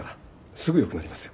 すぐ良くなりますよ。